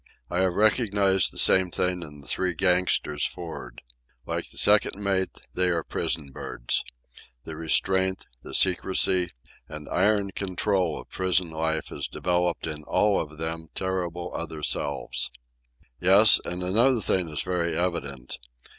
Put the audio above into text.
I have recognized the same thing in the three gangsters for'ard. Like the second mate, they are prison birds. The restraint, the secrecy, and iron control of prison life has developed in all of them terrible other selves. Yes, and another thing is very evident.